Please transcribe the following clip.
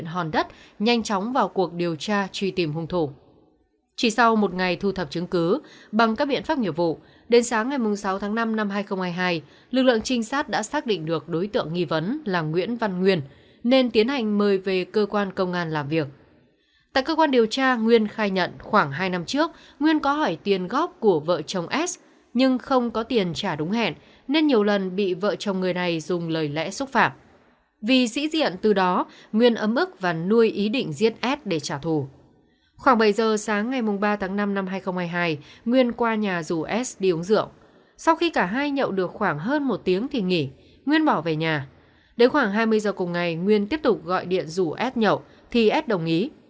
khoảng bảy giờ sáng ngày ba tháng năm năm hai nghìn hai mươi hai nguyên qua nhà rủ ad đi uống rượu sau khi cả hai nhậu được khoảng hơn một tiếng thì nghỉ nguyên bỏ về nhà đến khoảng hai mươi giờ cùng ngày nguyên tiếp tục gọi điện rủ ad nhậu thì ad đồng ý